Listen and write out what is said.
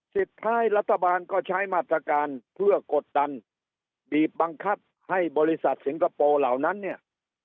สุดท้ายรัฐบาลก็ใช้มาตรการเพื่อกดดันบีบบังคับให้บริษัทสิงคโปร์เหล่านั้นเนี่ย